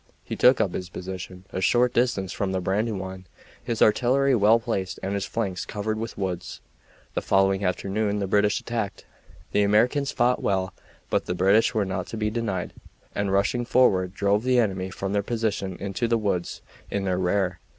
He took up his position a short distance from the Brandywine, his artillery well placed and his flanks covered with woods. The following afternoon the British attacked. The Americans fought well, but the British were not to be denied, and rushing forward drove the enemy from their position into the woods in their rear.